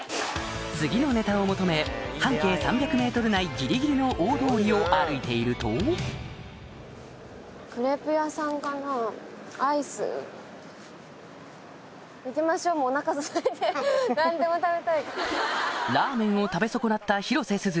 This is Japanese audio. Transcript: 次のネタを求め半径３００ｍ内ぎりぎりの大通りを歩いているとラーメンを食べ損なった広瀬すず